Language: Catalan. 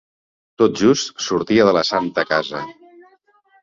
Tot just sortia de la Santa Casa…